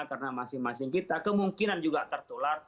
karena masing masing kita kemungkinan juga tertular